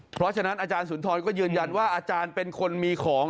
เพราะฉะนั้นอาจารย์สุนทรก็ยืนยันว่าอาจารย์เป็นคนมีของ